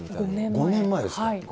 ５年前です。